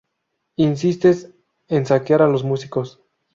insistes en saquear a los músicos